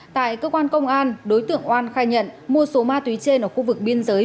tại cơ quan công an đối tượng oan khai nhận mua số ma túy trên ở khu vực biên giới